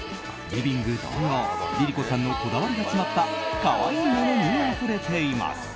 リビング同様ＬｉＬｉＣｏさんのこだわりが詰まった可愛いものにあふれています。